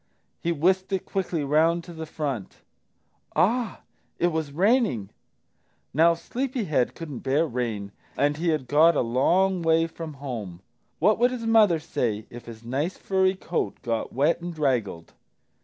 He whisked it quickly round to the front. Ah, it was raining! Now Sleepy head couldn't bear rain, and he had got a long way from home. What would mother say if his nice furry coat got wet and draggled?